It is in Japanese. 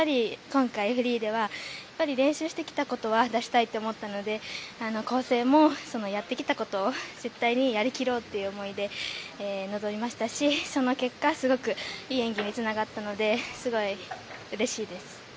今回、フリーでは練習してきたことは出したいと思ったので構成もやってきたことを絶対にやり切ろうという思いで臨みましたしその結果、すごくいい演技につながったのですごいうれしいです。